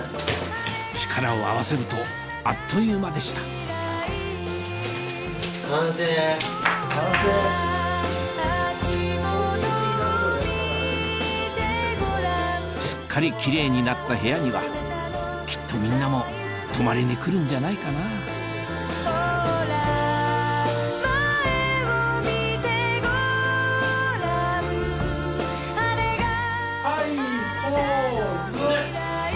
力を合わせるとあっという間でしたすっかりキレイになった部屋にはきっとみんなも泊まりに来るんじゃないかなぁはいポーズ！